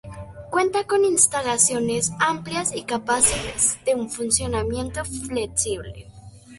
Cuenta con instalaciones amplias y capaces de un funcionamiento flexible.